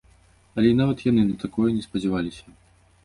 Але і нават яны на такое не спадзяваліся.